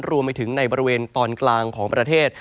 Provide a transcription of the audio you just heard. รวมไปถึงในบริเวณตอนกลางของประเทศ